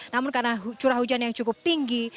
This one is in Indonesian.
namun karena curah hujan yang cukup tinggi